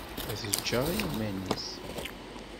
Ad t-ǧǧeɣ i yiman-is.